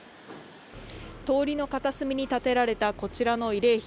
通りの片隅にたてられたこちらの慰霊碑。